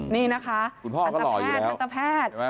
นี่นะคะอัตราแพทย์อัตราแพทย์